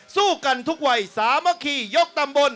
สู้กันทุกวัยสามัคคียกตำบล